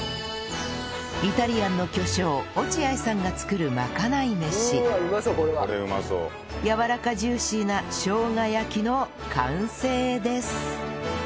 イタリアンの巨匠落合さんが作るまかない飯やわらかジューシーなしょうが焼きの完成です